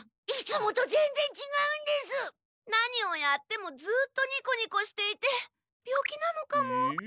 何をやってもずっとニコニコしていて病気なのかも。